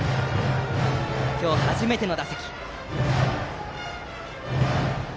今日、初めての打席。